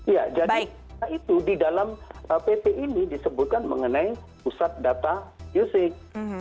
ya jadi di dalam pp ini disebutkan mengenai pusat data music